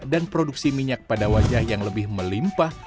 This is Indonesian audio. dan produksi minyak pada wajah yang lebih melimpah